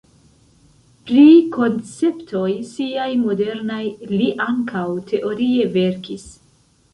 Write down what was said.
Pri konceptoj siaj modernaj li ankaŭ teorie verkis.